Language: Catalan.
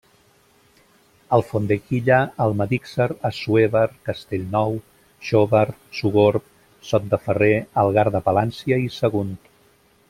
Alfondeguilla, Almedíxer, Assuévar, Castellnou, Xóvar, Sogorb, Sot de Ferrer, Algar de Palància i Sagunt.